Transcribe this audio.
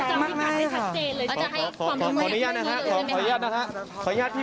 พร้อมไหมครับวันนี้